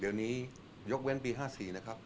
เดี๋ยวนี้ยกเว้นปี๕๔นะครับ